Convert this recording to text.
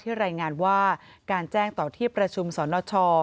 รายงานว่าการแจ้งต่อที่ประชุมสนช